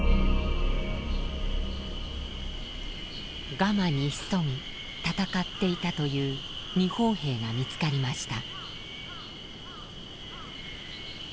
ガマに潜み戦っていたという日本兵が見つかりました。